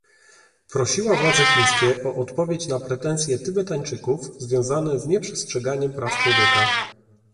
Prosiła władze chińskie o odpowiedź na pretensje Tybetańczyków związane z nieprzestrzeganiem praw człowieka